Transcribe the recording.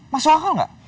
masuk akal gak